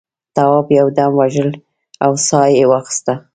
تواب یو دم وژړل او سا یې واخیسته.